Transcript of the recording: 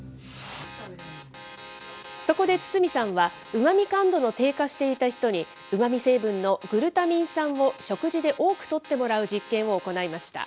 そこで堤さんは、うまみ感度の低下していた人に、うまみ成分のグルタミン酸を食事で多くとってもらう実験を行いました。